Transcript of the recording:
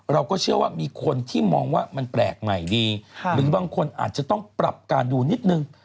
เราก็เชื่อว่ามีคนที่มองว่ามันแปลกใหม่ดีหรือบางคนอาจจะต้องปรับการดูนิดนึง